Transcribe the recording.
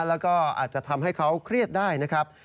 แล้วก็อาจจะทำให้เขาเครียดได้นะครับ